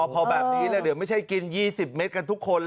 พอแบบนี้เดี๋ยวไม่ใช่กิน๒๐เม็ดกันทุกคน